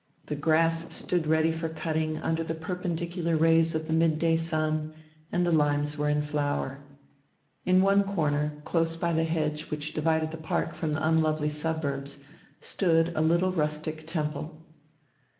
The grass stood ready for cutting under the perpendicular rays of the midday sun, and the limes were in flower. In one corner, close by the hedge which divided the park from the unlovely suburbs, stood a little rustic temple.